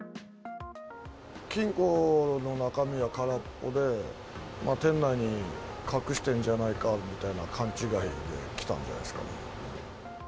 金庫の中身は空っぽで、店内に隠してるんじゃないかみたいな勘違いで来たんじゃないです